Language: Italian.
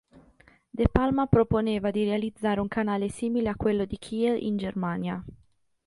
De Palma proponeva di realizzare un canale simile a quello di Kiel in Germania.